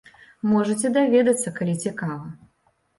Можаце даведацца, калі цікава.